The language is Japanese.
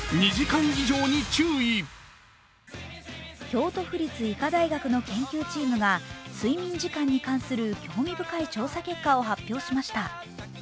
京都府立医科大学の研究チームが睡眠時間に関する興味深い調査結果を発表しました。